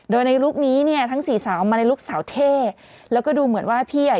โดยในลุคนี้เนี่ยทั้งสี่สาวมาในลูกสาวเท่แล้วก็ดูเหมือนว่าพี่อ่ะ